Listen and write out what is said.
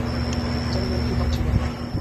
জানি না ও কী ভাবছিল।